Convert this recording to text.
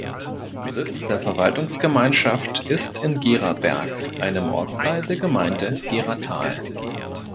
Sitz der Verwaltungsgemeinschaft ist in Geraberg, einem Ortsteil der Gemeinde Geratal.